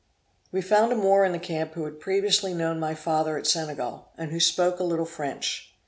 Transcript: We found a Moor in the camp who had previously known my father at Senegal, and who spoke a little French.